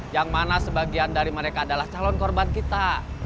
yang mana sebagian dari mereka adalah calon korban kita